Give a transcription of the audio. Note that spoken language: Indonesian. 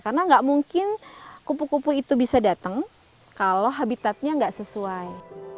karena nggak mungkin kupu kupu itu bisa datang kalau habitatnya nggak sesuai